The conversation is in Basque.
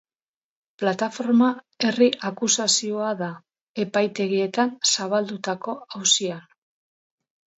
Plataforma herri akusazioa da epaitegietan zabaldutako auzian.